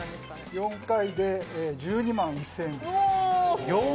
４回で１２万１０００円です。